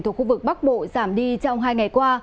thuộc khu vực bắc bộ giảm đi trong hai ngày qua